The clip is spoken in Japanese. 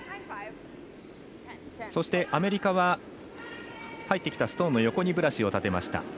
そして、アメリカは入ってきたストーンの横にブラシを立てました。